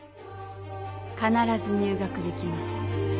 かならず入学できます。